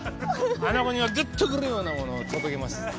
あの子にもぐっとくるようなものを届けます。